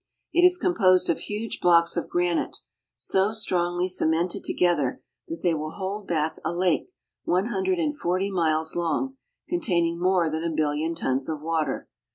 It is composed of huge blocks of granite, so strongly cemented together that they will hold back a lake one hundred and forty miles long, containing more than a billion tons of water.